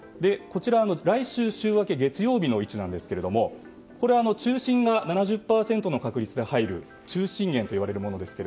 来週週明け月曜日の位置なんですが中心が７０％の確率で入る中心円というものですが